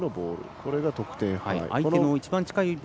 これが得点入る。